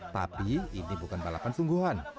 tapi ini bukan balapan sungguhan